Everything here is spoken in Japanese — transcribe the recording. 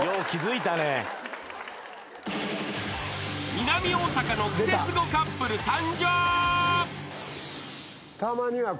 ［南大阪のクセスゴカップル参上］